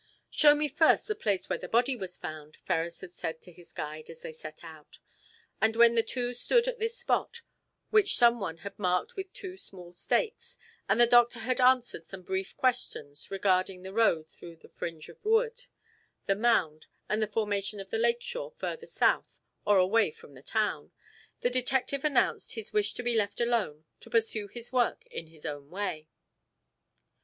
"Show me first the place where the body was found," Ferrars had said to his guide as they set out, and when the two stood at this spot, which some one had marked with two small stakes, and the doctor had answered some brief questions regarding the road through the fringe of wood, the mound, and the formation of the lake shore further south or away from the town, the detective announced his wish to be left alone to pursue his work in his own way.